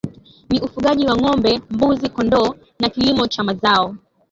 ni ufugaji wa Ngombe Mbuzi Kondoo na kilimo cha mazao